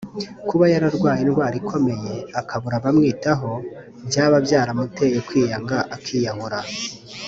Kuba yararwaye indwara ikomeye akabura abamwitaho byaba byamuteye kwiyanga akiyahura”